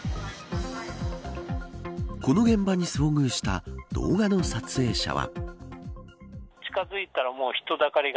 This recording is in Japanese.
この現場に遭遇した動画の撮影者は。